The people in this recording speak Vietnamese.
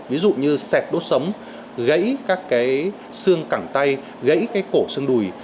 ví dụ như xẹt đốt sống gãy các cái xương cẳng tay gãy cái cổ xương đùi